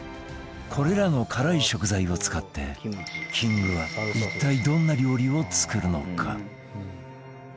これらの辛い食材を使ってキングは一体どんな料理を作るのか？